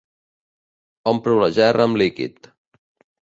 Omplo la gerra amb líquid.